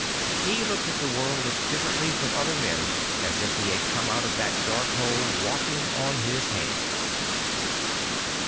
He looked at the world as differently from other men as if he had come out of that dark hole walking on his hands.